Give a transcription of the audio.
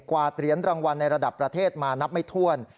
วาดเหรียญรางวัลในระดับประเทศมานับไม่ถ้วน